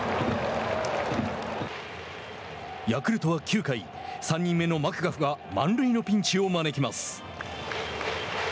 ヤクルトは、９回３人目のマクガフが満塁のピンチを招きます。